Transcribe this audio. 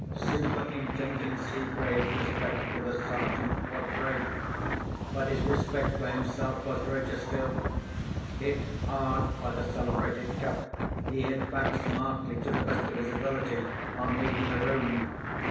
Superintendent Seegrave's respect for the Sergeant was great; but his respect for himself was greater still. Hit hard by the celebrated Cuff, he hit back smartly, to the best of his ability, on leaving the room.